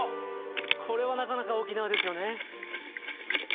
これはなかなか沖縄ですよね